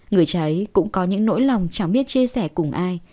người cha ấy cũng có những nỗi lòng chẳng biết chia sẻ cùng ai